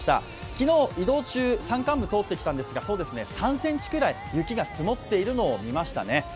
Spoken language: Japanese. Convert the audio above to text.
昨日、移動中、山間部を通ってきたんですが３ｃｍくらい雪が積もっているのを見ましたね。